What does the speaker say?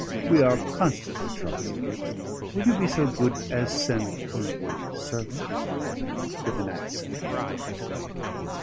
"We are constantly troubling you: will you be so good as send one of the servants?" with an accent on the word.